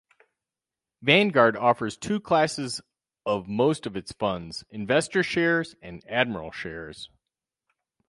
Vanguard offers two classes of most of its funds: "investor shares" and "admiral shares".